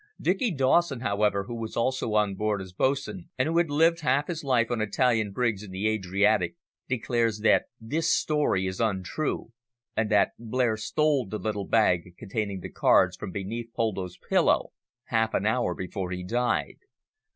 Dicky Dawson, however, who was also on board as bo'sun, and who had lived half his life on Italian brigs in the Adriatic, declares that this story is untrue, and that Blair stole the little bag containing the cards from beneath Poldo's pillow half an hour before he died.